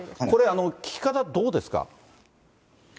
これ、効き方、どうですか？